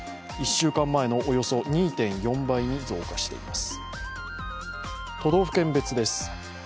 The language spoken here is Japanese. １週間前のおよそ２．４倍に増加しています。